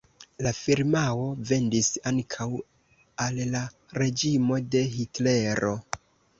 La firmao vendis ankaŭ al la reĝimo de Hitlero.